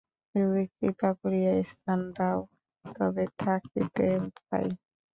যদি কৃপা করিয়া স্থান দাও তবে থাকিতে পাই।